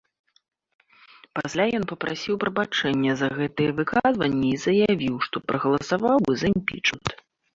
Пасля ён папрасіў прабачэння за гэтыя выказванні і заявіў, што прагаласаваў бы за імпічмент.